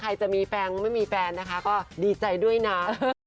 ใครหว่างก็จีบได้นะคะ